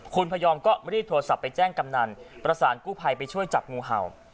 คุณพยอมก็รีบโทรศัพท์ไปแจ้งกำนันประสานกู้ภัยไปช่วยจับงูเห่า